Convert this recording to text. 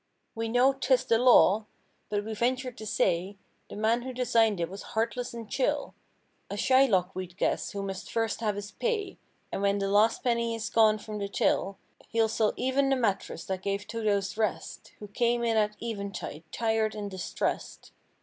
We know 'tis the "law"—but we venture to say— The man who designed it was heartless and chill: A Shylock we'd guess, who must first have his pay. And when the last penny is gone from the till He'd sell e'en the mattress, that gave to those rest. Who came in at eventide, tired and distressed.